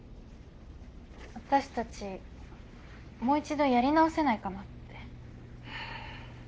私たちもう一度やり直せないかなって。